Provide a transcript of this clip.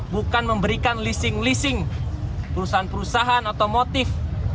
bukan memberikan leasing leasing perusahaan perusahaan otomotif